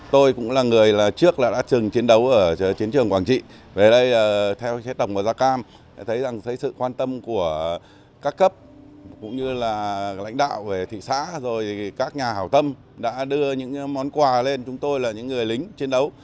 tôi cũng là người trước đã trừng chiến đấu ở chiến trường quảng trị về đây theo chế tổng của gia cam thấy sự quan tâm của các cấp cũng như là lãnh đạo về thị xã rồi các nhà hảo tâm đã đưa những món quà lên chúng tôi là những người lính chiến đấu